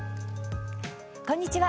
こんにちは。